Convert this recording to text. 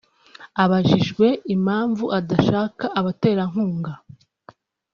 Abajijwe impamvu adashaka abaterankunga